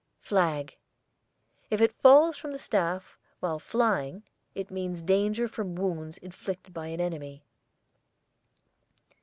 FLAG. If it falls from the staff, while flying it means danger from wounds inflicted by an enemy.